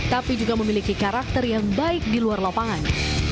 tapi juga memiliki karakter yang baik di luar lapangan